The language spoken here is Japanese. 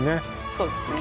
そうですね